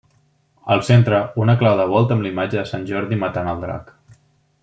Al centre, una clau de volta amb la imatge de sant Jordi matant el drac.